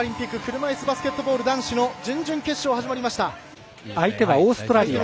車いすバスケットボール男子の準々決勝が始まりました。